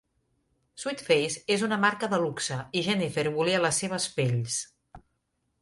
Sweetface és una marca de luxe i Jennifer volia les seves pells.